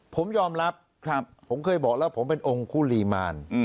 ผมยอมรับผมเคยบอกแล้วผมเป็นองค์คุรีมาร